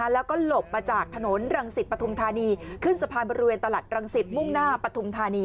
แล้วก็หลบมาจากถนนรังสิตปฐุมธานีขึ้นสะพานบริเวณตลาดรังสิตมุ่งหน้าปฐุมธานี